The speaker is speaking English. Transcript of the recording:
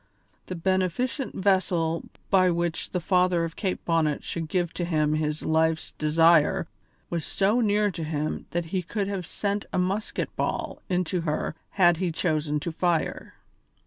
The beneficent vessel by which the father of Kate Bonnet should give to him his life's desire was so near to him that he could have sent a musket ball into her had he chosen to fire.